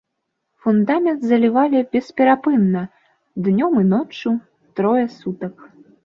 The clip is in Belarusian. Фундамент залівалі бесперапынна, днём і ноччу, трое сутак.